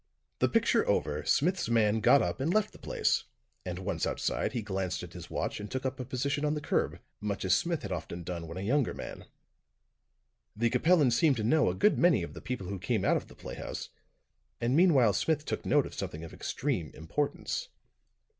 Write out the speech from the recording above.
The picture over, Smith's man got up and left the place; and once outside he glanced at his watch and took up a position on the curb, much as Smith had often done when a younger man. The Capellan seemed to know a good many of the people who came out of the playhouse; and meanwhile Smith took note of something of extreme importance.